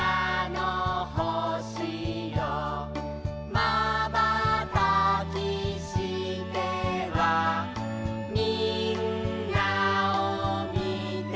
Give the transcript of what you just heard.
「まばたきしてはみんなをみてる」